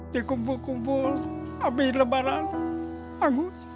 dikumpul kumpul habis lebaran hangus